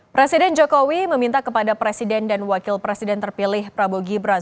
presiden jokowi meminta kepada presiden dan wakil presiden terpilih prabowo gibran